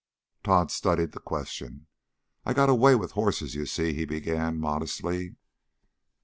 Tod studied, the question. "I got a way with hosses, you see," he began modestly.